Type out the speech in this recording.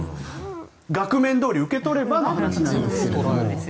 額面どおり受け取ればの話ですが。